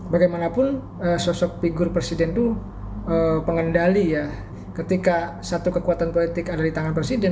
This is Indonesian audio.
bagaimanapun sosok figur presiden itu pengendali ya ketika satu kekuatan politik ada di tangan presiden